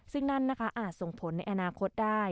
ซึ่งนั่นนะคะอาจส่งผลในอนาคตได้